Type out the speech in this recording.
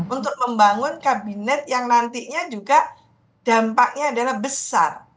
untuk membangun kabinet yang nantinya juga dampaknya adalah besar